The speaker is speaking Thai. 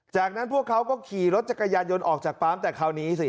จากนั้นพวกเขาก็ขี่รถจักรยานยนต์ออกจากปั๊มแต่คราวนี้สิ